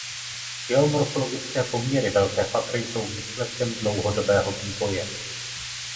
Geomorfologické poměry Velké Fatry jsou výsledkem dlouhodobého vývoje.